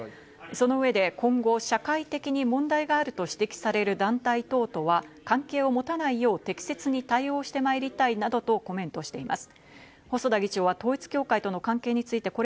その上で今後、社会的に問題があると指摘される団体等とは関係を持たないよう適切に対応してまいりたいなどとコメントしてお天気です。